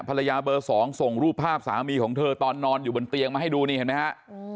ภรรยาเบอร์๒ส่งรูปภาพสามีของเธอตอนนอนอยู่บนเตียงมาให้ดูนี่เห็นไหมฮะ